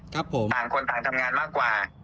ต่างคนต่างทำงานมากกว่า